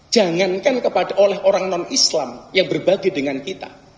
jangankan oleh orang non islam yang berbagi dengan kita